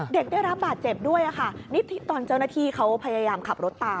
เด็กได้รับบาดเจ็บด้วยค่ะนี่ตอนเจ้าหน้าที่เขาพยายามขับรถตาม